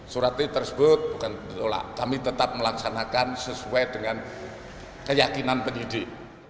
surat tersebut bukan ditolak kami tetap melaksanakan sesuai dengan keyakinan penyidik